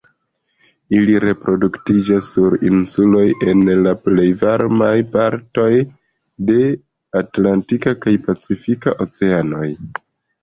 Ili reproduktiĝas sur insuloj en la plej varmaj partoj de Atlantika kaj Pacifika Oceanoj.